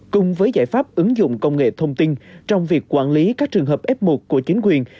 cùng với giải pháp ứng dụng công nghệ thông tin trong việc quản lý các trường hợp f một của chính quyền